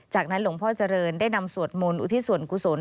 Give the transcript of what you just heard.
จากนั้นหลวงพ่อเจริญได้นำสวดมนต์อุทิศส่วนกุศล